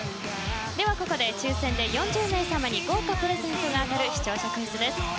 ではここで抽選で４０名さまに豪華プレゼントが当たる視聴者クイズです。